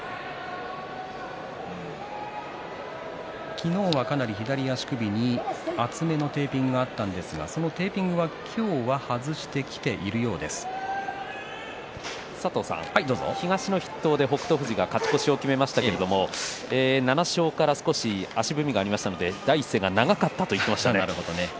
昨日はかなり左足首に厚めのテーピングがあったんですがそのテーピングは東の筆頭で北勝富士が勝ち越しを決めましたけれど７勝から少し足踏みがありましたので第一声が長かったと言っていましたね。